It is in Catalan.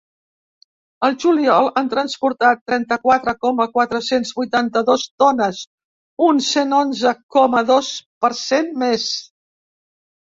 Al juliol han transportat trenta-quatre coma quatre-cents vuitanta-dos tones, un cent onze coma dos per cent més.